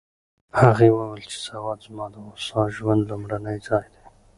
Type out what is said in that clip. هغې وویل چې سوات زما د هوسا ژوند لومړنی ځای دی.